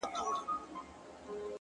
اخلاق د انسان له شتمنۍ لوړ دي.!